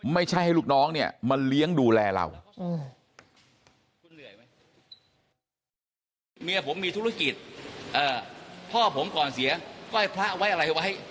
ไม่ใช่ลูกน้องมาเลี้ยงดูแลเรา